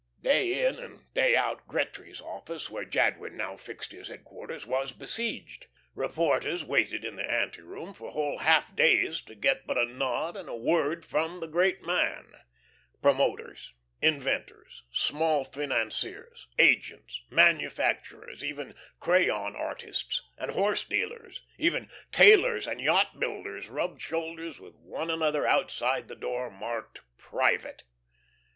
Day in and day out Gretry's office, where Jadwin now fixed his headquarters, was besieged. Reporters waited in the anteroom for whole half days to get but a nod and a word from the great man. Promoters, inventors, small financiers, agents, manufacturers, even "crayon artists" and horse dealers, even tailors and yacht builders rubbed shoulders with one another outside the door marked "Private."